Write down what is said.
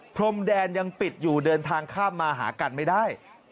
พรมแดนยังปิดอยู่เดินทางข้ามมาหากันไม่ได้